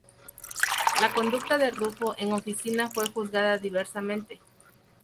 La conducta de Ruffo en oficina fue juzgada diversamente.